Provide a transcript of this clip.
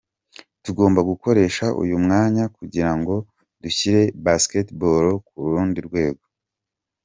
Tugomba gukoresha uyu mwanya kugira ngo dushyire Basketball ku rundi rwego.